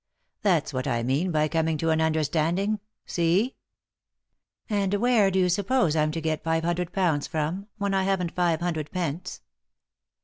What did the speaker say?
That's what I mean by coming to an understanding — see ?"" And where do you suppose I'm to get five hundred pounds from, when I haven't five hundred pence